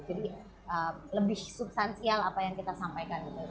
jadi lebih substansial apa yang kita sampaikan gitu